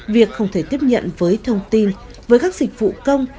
việc không thể tiếp nhận với thông tin với các dịch vụ công